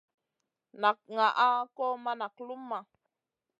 Nak ŋaʼa kò ma nak luma.